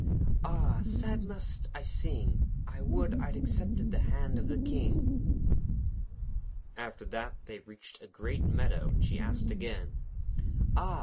'Ah! sad must I sing! I would I'd accepted the hand of the King.' After that they reached a great meadow, and she asked again: 'Ah!